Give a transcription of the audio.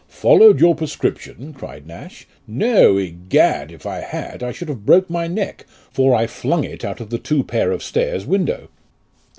" Followed your prescription," cried Nash, " No. Egad, if I had, I should have broke my neck, for I flung it out of the two pair of stairs window."